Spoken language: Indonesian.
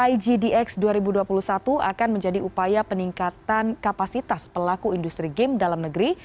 igdx dua ribu dua puluh satu akan menjadi upaya peningkatan kapasitas pelaku industri game dalam negeri